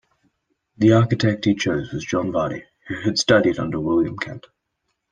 The architect he chose was John Vardy who had studied under William Kent.